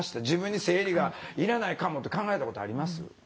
自分に生理がいらないかもって考えたことあります？